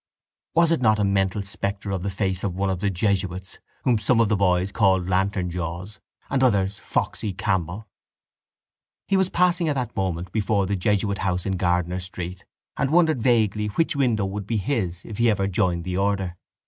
Was it not a mental spectre of the face of one of the jesuits whom some of the boys called Lantern Jaws and others Foxy Campbell? He was passing at that moment before the jesuit house in Gardiner Street, and wondered vaguely which window would be his if he ever joined the order.